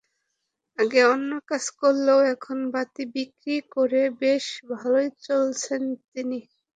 আগে অন্য কাজ করলেও এখন বাতি বিক্রি করে বেশ ভালোই চলছেন তিনি।